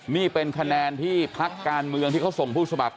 นี่เป็นคะแนนที่พักการเมืองที่เขาส่งผู้สมัคร